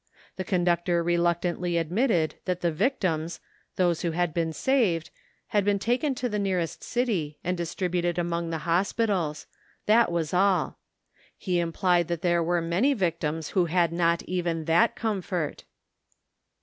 The conductor reluctantly admitted that the victims, those who had been saved, had been taken to the nearest city and distributed among the hospitals. That was all. He implied that there were many victims who had not even that comfort.